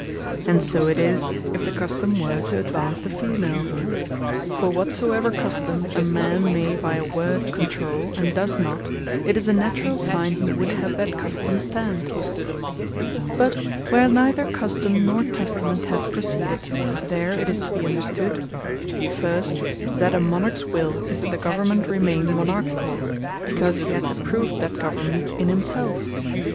And so it is if the Custome were to advance the Female. For whatsoever Custome a man may by a word controule, and does not, it is a naturall signe he would have that Custome stand. Or, By Presumption Of Naturall Affection But where neither Custome, nor Testament hath preceded, there it is to be understood, First, that a Monarchs will is, that the government remain Monarchicall; because he hath approved that government in himselfe.